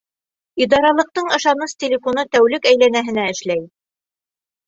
Идаралыҡтың ышаныс телефоны тәүлек әйләнәһенә эшләй: